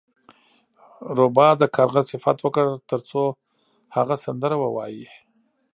روباه د کارغه صفت وکړ ترڅو هغه سندره ووایي.